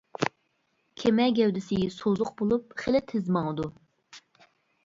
كېمە گەۋدىسى سوزۇق بولۇپ، خېلى تېز ماڭىدۇ.